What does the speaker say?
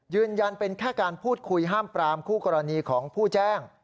ยืนยันเป็นแค่การพูดคุยห้ามปรามคู่กรณีของผู้แจ้ง